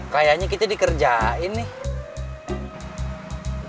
kayanya kita dikerjain nih